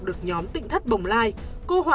được nhóm tịnh thất bồng lai cô